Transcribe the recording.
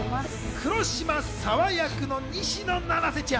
黒島沙和役の西野七瀬ちゃん。